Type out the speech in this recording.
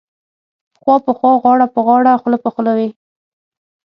خوا په خوا غاړه په غاړه خوله په خوله وې.